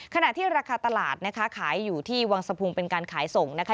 ขณะที่ราคาตลาดนะคะขายอยู่ที่วังสะพุงเป็นการขายส่งนะคะ